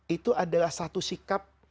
itu adalah satu sikap